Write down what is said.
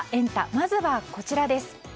まずは、こちらです。